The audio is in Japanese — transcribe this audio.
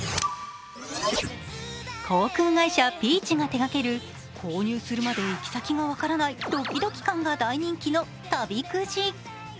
航空会社ｐｅａｃｈが手がける購入するまで行き先が分からないドキドキ感が大人気の旅くじ。